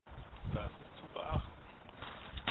Das ist zu beachten.